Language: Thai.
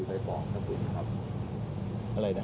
หมอบรรยาหมอบรรยาหมอบรรยาหมอบรรยา